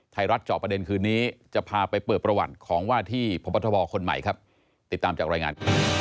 เจาะประเด็นคืนนี้จะพาไปเปิดประวัติของว่าที่พบทบคนใหม่ครับติดตามจากรายงาน